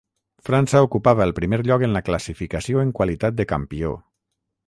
França ocupava el primer lloc en la classificació en qualitat de campió.